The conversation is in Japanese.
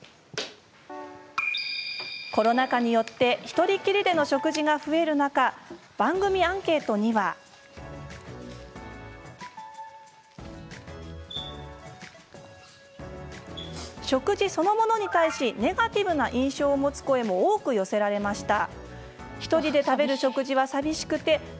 コロナ禍によってひとりきりでの食事が増える中番組アンケートには食事そのものに対しネガティブな印象を持つ声も多く寄せられました。